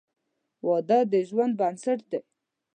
• واده د ژوند بنسټ دی.